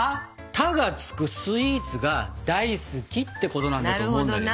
「タ」が付くスイーツが大好きってことなんだと思うんだけど。